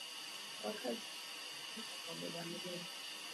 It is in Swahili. Wakazi wamelalamika kwa muda mrefu